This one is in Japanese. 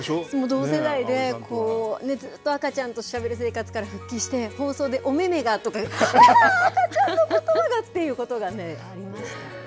同世代で、こう、ずっと赤ちゃんとしゃべる生活から復帰して、放送でおめめが、あー、赤ちゃんのことばだっていうことがありました。